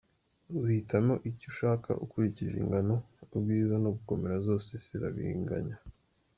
Uhitamo iyo ushaka ukurikije ingano, ubwiza no gukomera zose zirabinganya.